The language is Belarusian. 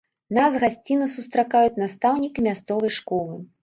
Нас гасцінна сустракаюць настаўнікі мясцовай школы.